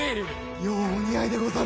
ようお似合いでござる！